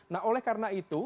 nah oleh karena itu